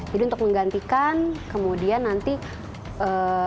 jadi untuk menggantikan kemudian nanti sebelum tanding selamat tanding dan juga sesudah tanding